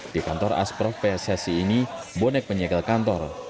di kantor asprof pssi ini bonek menyegel kantor